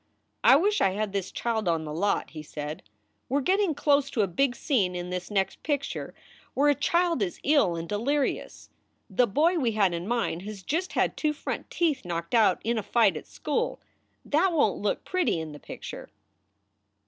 "I wish I had this child on the lot," he said. "We re getting close to a big scene in this next picture where a child is ill and delirious. The boy we had in mind has just had two front teeth knocked out in a fight at school. That won t look pretty in the picture."